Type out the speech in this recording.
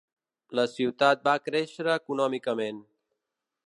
La ciutat va créixer econòmicament.